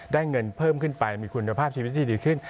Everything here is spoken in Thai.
เงินเพิ่มขึ้นไปมีคุณภาพชีวิตที่ดีขึ้น